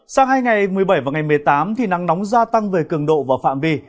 sang hai ngày một mươi bảy và ngày một mươi tám thì nắng nóng gia tăng về cường độ và phạm vi